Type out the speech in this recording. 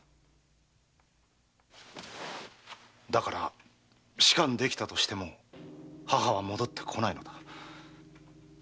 だから仕官できたとしても母は戻ってこないのだ。